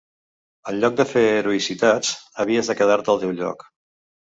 En lloc de fer heroïcitats, havies de quedar-te al teu lloc